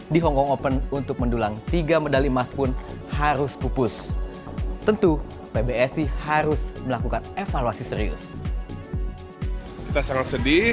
di hong kong open untuk mendulang tiga medali tersebut